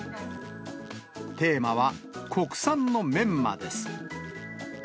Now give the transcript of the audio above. テーマは、国産のメンマです。